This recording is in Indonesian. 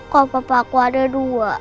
kalo papa aku ada dua